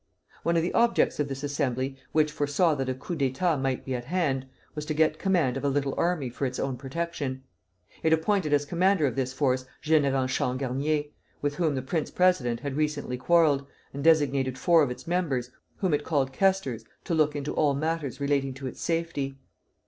One of the objects of this Assembly, which foresaw that a coup d'état might be at hand, was to get command of a little army for its own protection. It appointed as commander of this force General Changarnier, with whom the prince president had recently quarrelled, and designated four of its members, whom it called quoestors, to look into all matters relating to its safety.